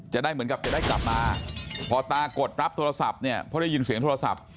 จะได้เหมือนกับจะได้กลับมาพอตากดรับโทรศัพท์เนี่ยเพราะได้ยินเสียงโทรศัพท์